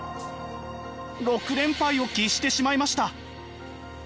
６連敗を喫してしまいました。